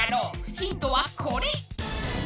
ヒントはこれ！